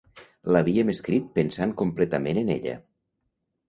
L'havíem escrit pensant completament en ella.